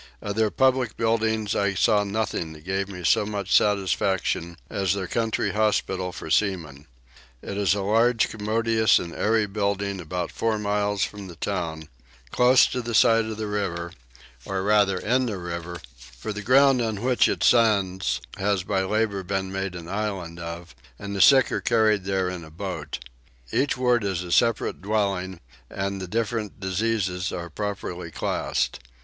Of their public buildings I saw nothing that gave me so much satisfaction as their country hospital for seamen. It is a large commodious and airy building about four miles from the town, close to the side of the river, or rather in the river: for the ground on which it stands has by labour been made an island of, and the sick are carried there in a boat: each ward is a separate dwelling and the different diseases are properly classed.